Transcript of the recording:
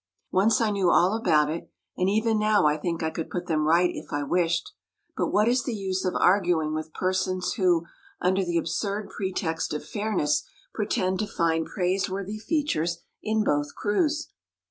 Once I knew all about it, and even now I think I could put them right if I wished. But what is the use of arguing with persons who, under the absurd pretext of fairness, pretend to find praiseworthy features in both crews?